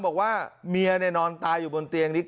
บอกว่าเมียนอนตายอยู่บนเตียงนี้